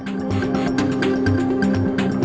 tim liputan cnn indonesia